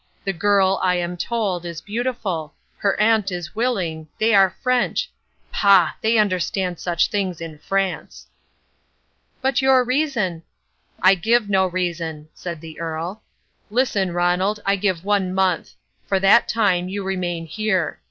The girl, I am told, is beautiful; her aunt is willing; they are French; pah! they understand such things in France." "But your reason—" "I give no reason," said the Earl. "Listen, Ronald, I give one month. For that time you remain here.